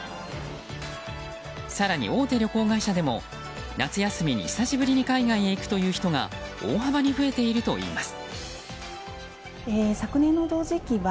更に、大手旅行会社でも夏休みに久しぶりに海外に行くという人が大幅に増えているといいます。